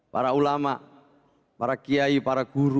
para ulama para kiai para guru